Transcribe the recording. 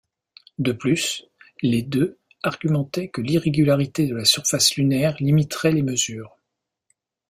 De plus, les deux argumentaient que l'irrégularité de la surface lunaire limiterait les mesures.